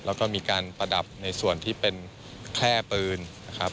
แล้วก็มีการประดับในส่วนที่เป็นแค่ปืนนะครับ